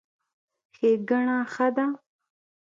ښېګړه ښه ده.